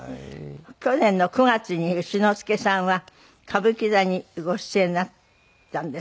去年の９月に丑之助さんは歌舞伎座にご出演になったんですね。